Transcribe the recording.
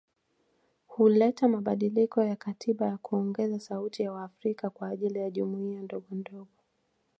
Huleta mabadiliko ya katiba ya kuongeza sauti ya waafrika kwa ajili ya jumuiya ndogondogo